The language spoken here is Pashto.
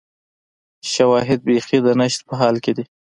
شواهد بیخي د نشت په حال کې دي